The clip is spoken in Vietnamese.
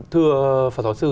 thưa phật giáo sư